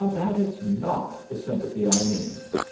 That is not the sympathy I mean.